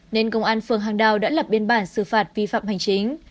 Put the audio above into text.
nên công an phường hàng đào đã lập biên bản xử phạt vi phạm hành chính